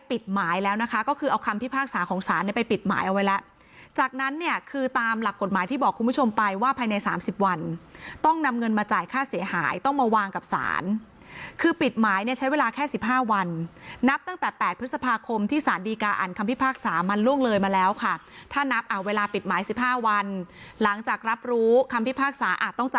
ปิดหมายเอาไว้แล้วจากนั้นเนี่ยคือตามหลักกฎหมายที่บอกคุณผู้ชมไปว่าภายใน๓๐วันต้องนำเงินมาจ่ายค่าเสียหายต้องมาวางกับสารคือปิดหมายเนี่ยใช้เวลาแค่๑๕วันนับตั้งแต่๘พฤษภาคมที่สารดีการอ่านคำพิพากษามันล่วงเลยมาแล้วค่ะถ้านับเอาเวลาปิดหมาย๑๕วันหลังจากรับรู้คำพิพากษาอาจต้องจ